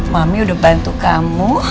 mami udah bantu kamu